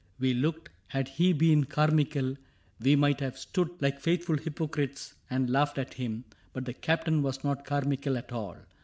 We looked. Had he been Carmichael, we might have stood Like faithful hypocrites and laughed at him ; But the Captain was not Carmichael at all.